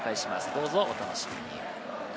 どうぞお楽しみに。